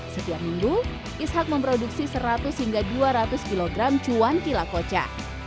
setiap minggu ishak memproduksi seratus hingga dua ratus kilogram cuanki lakoca